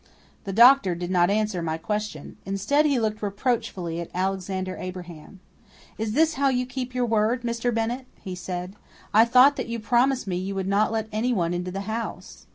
The doctor did not answer my question. Instead, he looked reproachfully at Alexander Abraham. "Is this how you keep your word, Mr. Bennett?" he said. "I thought that you promised me that you would not let anyone into the house."